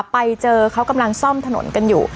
ไปเจอเขากำลังซ่อมถนนกันอยู่